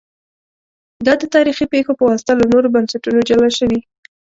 دا د تاریخي پېښو په واسطه له نورو بنسټونو جلا شوي